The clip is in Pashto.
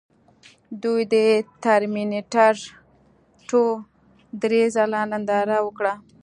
دوی د ټرمینیټر ټو درې ځله ننداره وکړه